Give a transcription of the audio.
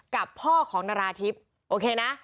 กับพ่อของนาราธิบโอเคนะ